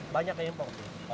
banyak yang impor sih